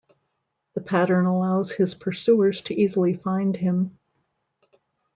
The pattern allows his pursuers to easily find him.